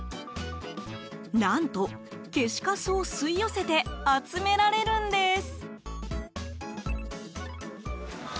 何と、消しカスを吸い寄せて集められるんです。